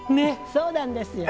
そうなんですよ。